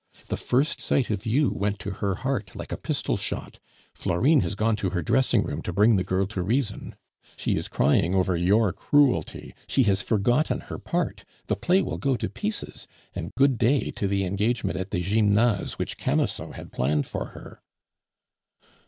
The first sight of you went to her heart like a pistol shot, Florine has gone to her dressing room to bring the girl to reason. She is crying over your cruelty; she has forgotten her part, the play will go to pieces, and good day to the engagement at the Gymnase which Camusot had planned for her."